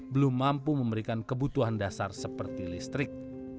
belum mampu memberikan kebutuhan dasar seperti listrik